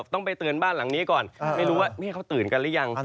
ต้องไปเตือนบ้านหลังนี้ก่อนไม่รู้ว่าเขาตื่นกันหรือยัง